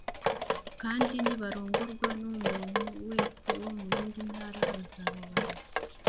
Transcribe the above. Kandi nibarongorwa n’umuntu wese wo mu yindi ntara bazababara